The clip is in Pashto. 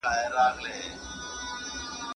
عصبیت انسان له انساني ارزښتونو لرې کوي